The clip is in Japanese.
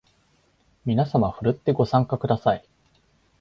みなさまふるってご参加ください